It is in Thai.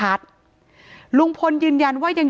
ถ้าใครอยากรู้ว่าลุงพลมีโปรแกรมทำอะไรที่ไหนยังไง